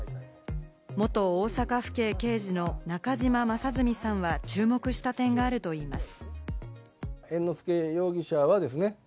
元大阪府警刑事の中島正純さんは注目した点があるといいます。